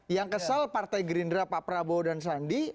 yang kesal partai gerinda pak prabowo dan bang sandi